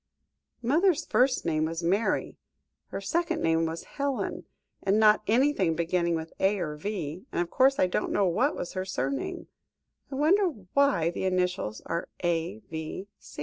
Mother's first name was Mary, her second name was Helen, and not anything beginning with A or V, and of course I don't know what was her surname. I wonder why the initials are A.V.